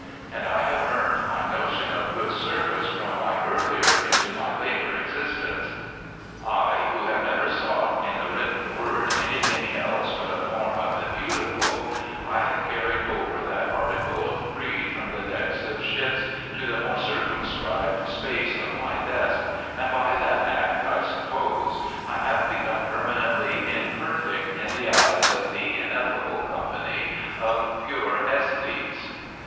And I have earned my notion of good service from my earlier into my later existence. I, who have never sought in the written word anything else but a form of the Beautiful I have carried over that article of creed from the decks of ships to the more circumscribed space of my desk, and by that act, I suppose, I have become permanently imperfect in the eyes of the ineffable company of pure esthetes.